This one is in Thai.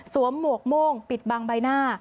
สวมหมวกม่วงปิดบางใบหน้า